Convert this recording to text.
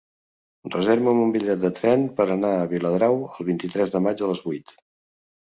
Reserva'm un bitllet de tren per anar a Viladrau el vint-i-tres de maig a les vuit.